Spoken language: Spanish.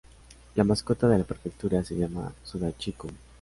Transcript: La mascota de la prefectura se llama 'Sudachi-kun'.